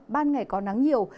ban ngày có nắng nhiều